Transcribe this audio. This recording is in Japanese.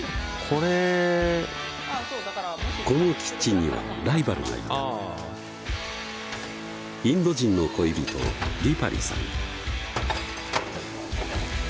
これこのキッチンにはライバルがいたインド人の恋人ディパリさん